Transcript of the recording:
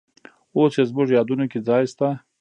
اوس یې زموږ یادونو کې ځای شته.